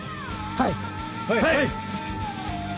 はい！